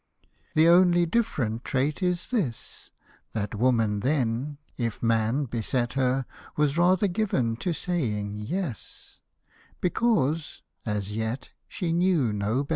The only different trait is this, That woman then, if man beset her, Was rather given to saying " yes," Because, — as yet, she knew no better.